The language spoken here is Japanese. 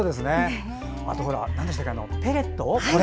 あとペレット？